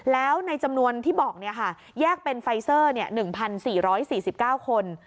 แล้วในจำนวนที่บอกแยกเป็นไฟเซอร์๑๔๔๙คน